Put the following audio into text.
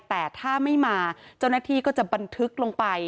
แต่ถ้าไม่มาเจ้าหน้าที่ก็จะบันทึกลงไป